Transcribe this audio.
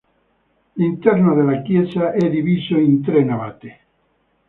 L'interno della chiesa è diviso in tre navate.